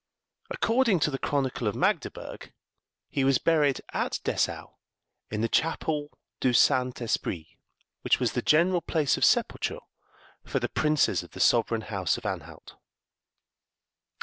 According to the chronicle of Magdeburg, he was buried at Dessau in the Chapel du Saint Esprit, which was the general place of sepulture for the princes of the sovereign house of Anhalt.